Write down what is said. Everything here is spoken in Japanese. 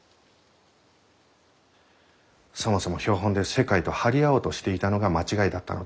そもそも標本で世界と張り合おうとしていたのが間違いだったのだ。